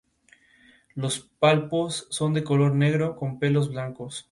Durante su mandato se llevaron a cabo los funerales del Lic.